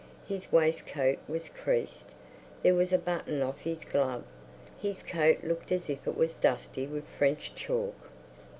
His waistcoat was creased, there was a button off his glove, his coat looked as if it was dusty with French chalk.